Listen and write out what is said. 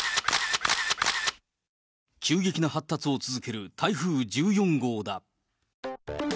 急激な発達を続ける台風１４号だ。